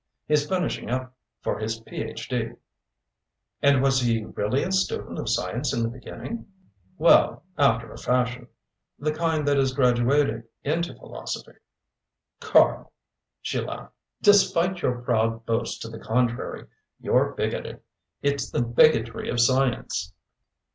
He's finishing up for his Ph.D." "And was he really a student of science in the beginning?" "Well, after a fashion. The kind that is graduated into philosophy." "Karl," she laughed, "despite your proud boast to the contrary, you're bigoted. It's the bigotry of science."